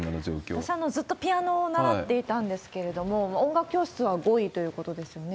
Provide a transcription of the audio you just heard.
私、ずっとピアノを習っていたんですけれども、音楽教室は５位ということですよね。